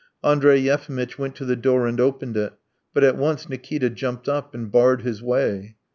..." Andrey Yefimitch went to the door and opened it, but at once Nikita jumped up and barred his way.